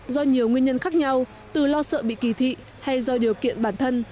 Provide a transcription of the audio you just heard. do nhiều nguyên nhân khác nhau từ lo sợ bị kỳ thị hay do điều kiện bản thân